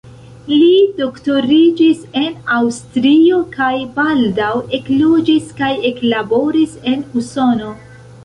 Li doktoriĝis en Aŭstrio kaj baldaŭ ekloĝis kaj eklaboris en Usono.